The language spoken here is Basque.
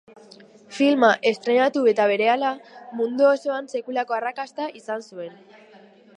Filma estreinatu eta berehala, mundu osoan sekulako arrakasta izan zuen.